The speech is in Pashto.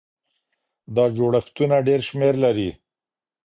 دا جوړښتونه ډېر شمېر لري.